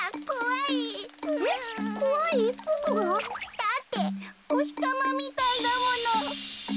だっておひさまみたいだもの。